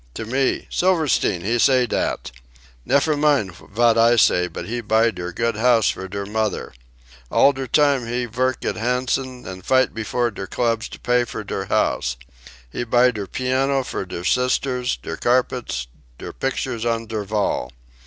to me, Silverstein, he say dat. Nefer mind vat I say, but he buy der good house for der mudder. All der time he vork at Hansen's and fight before der clubs to pay for der house. He buy der piano for der sisters, der carpets, der pictures on der vall.